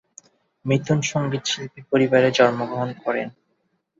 মিথুন সঙ্গীতশিল্পী পরিবারে জন্মগ্রহণ করেন।